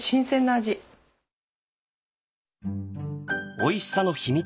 おいしさの秘密